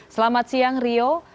selamat siang rio